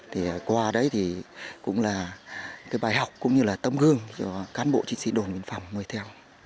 thì qua đấy thì cũng là cái bài học cũng như là tấm gương cho cán bộ chiến sĩ đồn viện phòng ngồi theo